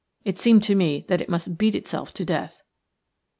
It seemed to me that it must beat itself to death.